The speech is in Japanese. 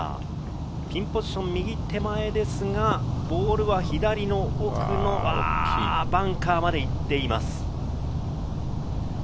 ピンポジションは右手前ですが、ボールは左の奥のバンカーまで行っています。